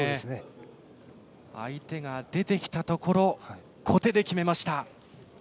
相手が出てきたところを小手で決めました。